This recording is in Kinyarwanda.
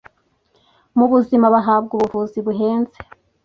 mu buzima bahabwa ubuvuzi buhenze".